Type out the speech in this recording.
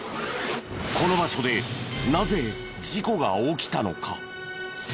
この場所でなぜ事故が起きたのか？